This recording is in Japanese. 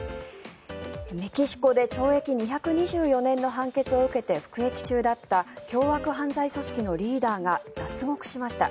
メキシコで懲役２２４年の判決を受けて服役中だった凶悪犯罪組織のリーダーが脱獄しました。